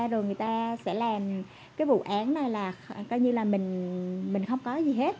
rồi người ta sẽ làm cái vụ án này là coi như là mình không có gì hết